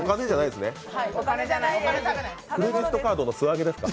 クレジットカードの素揚げですか？